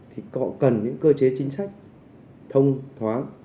thì họ cần những cơ chế chính sách thông thoáng